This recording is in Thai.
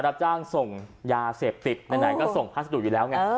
รับจ้างส่งยาเสพติดไหนก็ส่งพัสดุอยู่แล้วไง